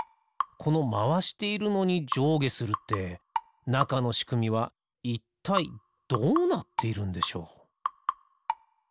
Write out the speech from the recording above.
このまわしているのにじょうげするってなかのしくみはいったいどうなっているんでしょう？